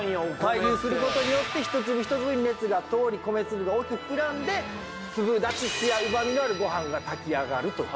対流する事によって一粒一粒に熱が通り米粒が大きく膨らんで粒立ちツヤうまみのあるごはんが炊き上がるという。